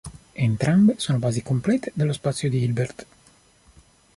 Entrambe sono basi complete dello spazio di Hilbert.